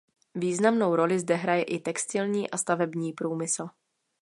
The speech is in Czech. Významnou roli zde hraje i textilní a stavební průmysl.